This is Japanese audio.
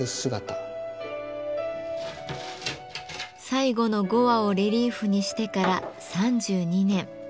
最後の５羽をレリーフにしてから３２年。